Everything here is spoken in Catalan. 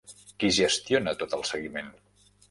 Qui gestiona tot el seguiment?